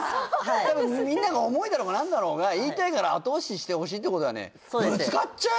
多分みんなが重いだろうが何だろうが言いたいから後押ししてほしいってことだよねはい！